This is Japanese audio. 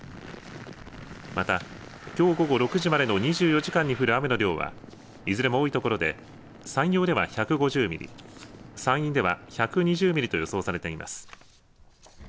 またきょう午後６時までの２４時間に降る雨の量はいずれも多いところで山陽では１５０ミリ、山陰では１２０ミリと予想されています。